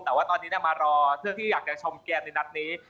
แต่ว่าตอนนี้มารอเพื่อที่อยากจะชมเกมในนัดนี้